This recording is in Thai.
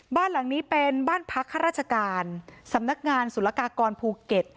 บ้านหลังนี้เป็นบ้านพักข้าราชการสำนักงานศุลกากรภูเก็ต